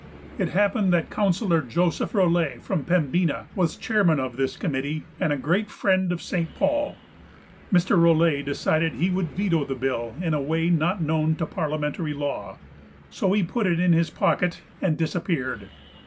It happened that Councillor Joseph Rolette, from Pembina, was chairman of this committee, and a great friend of St. Paul. Mr. Rolette decided he would veto the bill in a way not known to parliamentary law, so he put it in his pocket and disappeared.